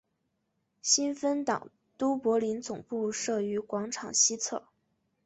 新芬党都柏林总部设于广场西侧。